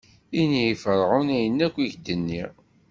Ini i Ferɛun ayen akk i k-d-nniɣ.